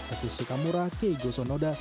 atushu kamura kei go sonoda